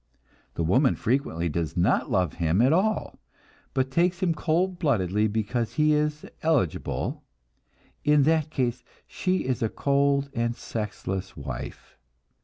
The woman frequently does not love him at all, but takes him cold bloodedly because he is "eligible"; in that case she is a cold and "sexless" wife.